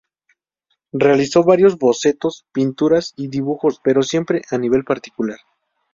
Realizó varios bocetos, pinturas y dibujos pero siempre a un nivel particular.